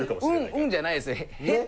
「うんうん」じゃないです。